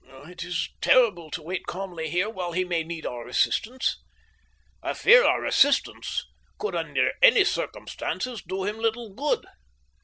"It is terrible to wait calmly here while he may need our assistance." "I fear our assistance could under any circumstances do him little good.